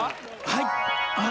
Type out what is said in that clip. はい！